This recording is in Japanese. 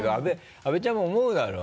阿部ちゃんも思うだろ？